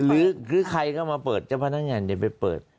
หรือใครก็มาเปิดเจ้าพนักงานจะไปเปิด